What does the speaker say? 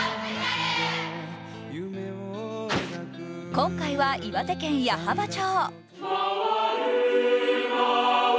今回は岩手県矢巾町。